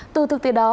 từ thực tế đó